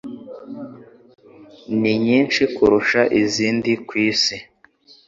ninyishi kurusha izindi ku isi.